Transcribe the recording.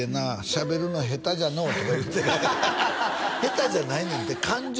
「しゃべるの下手じゃのう」とか言うて下手じゃないねんで感情